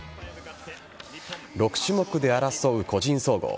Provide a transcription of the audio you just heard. ６種目で争う個人総合。